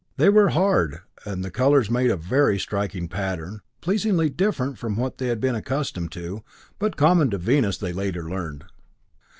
They were hard, and the colors made a very striking pattern, pleasingly different from what they had been accustomed to, but common to Venus, as they later learned.